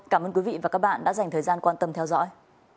cảm ơn quý vị và các bạn đã dành thời gian quan tâm theo dõi